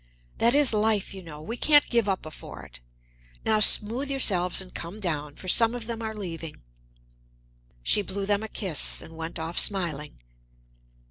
That is life, you know we can't give up before it. Now smooth yourselves and come down, for some of them are leaving." She blew them a kiss and went off smiling.